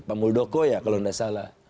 pak muldoko ya kalau tidak salah